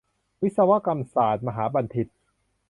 วิศวกรรมศาสตรมหาบัณฑิต